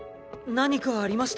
何かありました？